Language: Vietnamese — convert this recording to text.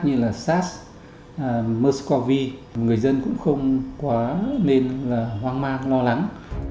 như là sars mers cov người dân cũng không quá nên hoang mang lo lắng